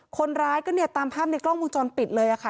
คนร้ายนี่ตามภาพว่าที่กดลองมูลจรปิดเลยค่ะ